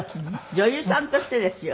女優さんとしてですよ。